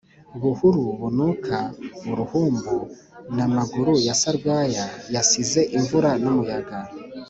Buhuru bunuka uruhumbu, na Maguru ya Sarwaya yasize imvura n’umuyaga